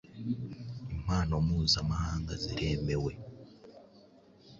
Impano mpuzamahanga ziremewe